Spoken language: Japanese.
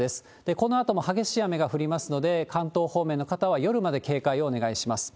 このあとも激しい雨が降りますので、関東方面の方は、夜まで警戒をお願いします。